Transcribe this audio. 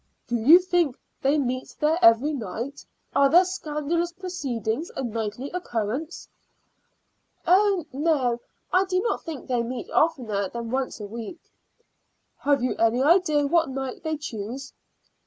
"Do you think they meet there every night? Are their scandalous proceedings a nightly occurrence?" "Oh, no; I do not think they meet oftener than once a week." "Have you any idea what night they choose?"